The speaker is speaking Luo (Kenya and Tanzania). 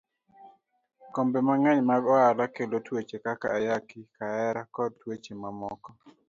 Kembe mang'eny mag ohala kelo tuoche kaka ayaki, kahera, koda tuoche mamoko.